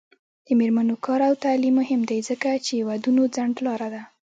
د میرمنو کار او تعلیم مهم دی ځکه چې ودونو ځنډ لاره ده.